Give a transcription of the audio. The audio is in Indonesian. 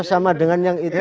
sama dengan yang ini